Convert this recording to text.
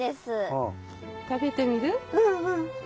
うんうん。